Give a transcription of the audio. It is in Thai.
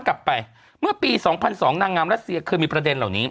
กลับไปเมื่อปีสองพันสองนางงามรัสเซียคือมีประเด็นเหล่านี้